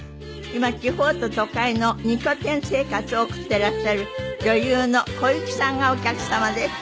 今地方と都会の二拠点生活を送っていらっしゃる女優の小雪さんがお客様です。